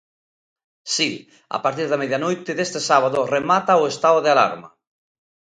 Si, a partir da medianoite deste sábado remata o estado de alarma.